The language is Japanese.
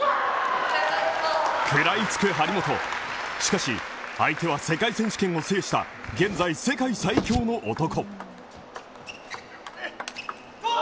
しかし、相手は世界選手権を制した現在世界最強の男。